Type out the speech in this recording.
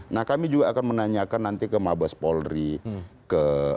nah kami juga akan menanyakan nanti ke mabes polri